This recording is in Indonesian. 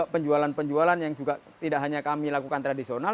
penjualan penjualan yang juga tidak hanya kami lakukan tradisional